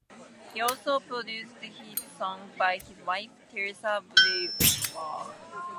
He also produced hit songs by his wife, Teresa Brewer.